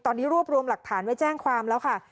ตอนนี้รวบรวมหลักฐานไว้แจ้งความแล้วค่ะ